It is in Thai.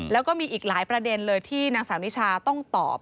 แล้วก็มีอีกหลายประเด็นเลยที่นางสาวนิชาต้องตอบ